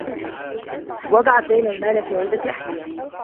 وضعت ليلى المال في علبة أحذية.